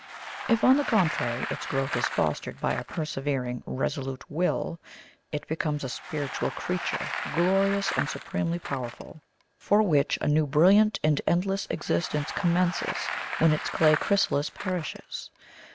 If, on the contrary, its growth is fostered by a persevering, resolute WILL, it becomes a spiritual creature, glorious and supremely powerful, for which a new, brilliant, and endless existence commences when its clay chrysalis perishes.